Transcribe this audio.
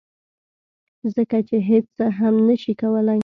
ځکه چې هیڅ څه هم نشي کولی